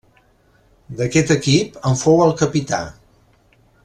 D'aquest equip en fou el capità.